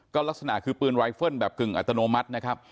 ก็ลักษณะคือปืนไวเฟิลแบบกึ่งอัตโนมัตินะครับ